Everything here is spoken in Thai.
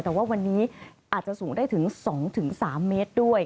แต่ว่าวันนี้อาจจะสูงได้ถึง๒๓เมตรด้วย